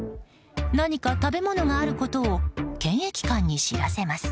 何か食べ物があることを検疫官に知らせます。